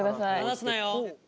離すなよ！